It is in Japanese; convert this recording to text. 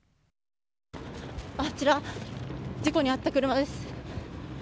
あちら、事故に遭った車です。